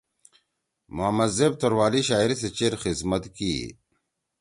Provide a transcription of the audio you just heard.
محمد زیب توروالی شاعری سی چیر خذمت کی ئی۔